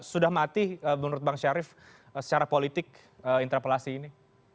sudah mati menurut bang syarif secara politik interpelasi ini